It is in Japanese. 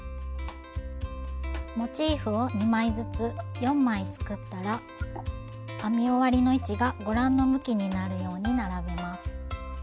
モチーフを２枚ずつ４枚作ったら編み終わりの位置がご覧の向きになるように並べます。